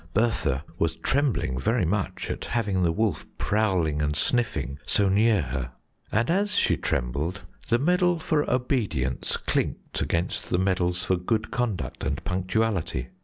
Bertha was trembling very much at having the wolf prowling and sniffing so near her, and as she trembled the medal for obedience clinked against the medals for good conduct and punctuality.